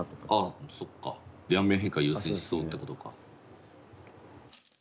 あそっか両面変化を優先しそうってことか。